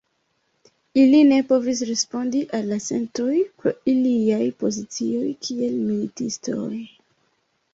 Ili ne povis respondi al la sentoj, pro iliaj pozicioj kiel militistoj.